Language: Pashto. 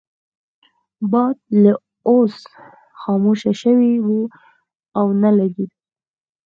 باد لا اوس خاموشه شوی وو او نه لګیده.